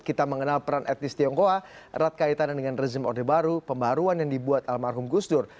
kita mengenal peran etnis tionghoa erat kaitannya dengan rezim orde baru pembaruan yang dibuat almarhum gusdur